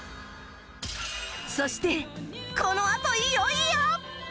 そしてこのあといよいよ！